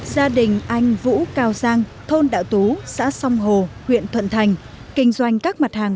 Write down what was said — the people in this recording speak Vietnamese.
gia đình anh vũ cao giang thôn đạo tú xã sông hồ huyện thuận thành kinh doanh các mặt hàng